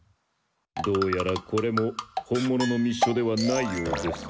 どうやらこれも本物の密書ではないようです。